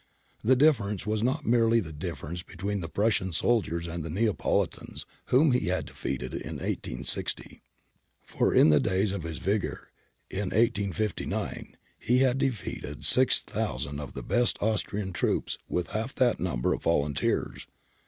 The difference was not merely the difference between the Prussian soldiers and the Neapolitans whom he had defeated in i860. For in the days of his vigour, in 1859, he had defeated 6000 of the best Austrian troops with half that number of volunteers.